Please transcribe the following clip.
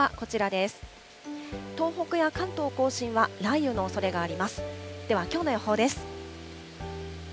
では、きょうの予報です。